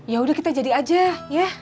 ya udah kita jadi aja ya